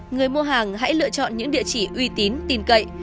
người mua hàng hãy lựa chọn những địa chỉ uy tín tình cảm